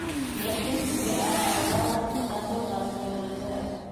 Ләкин, бер аҙ алға барып, дозорҙар ҡуйырға кәрәк.